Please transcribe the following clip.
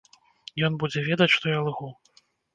Ён будзе ведаць, што я лгу.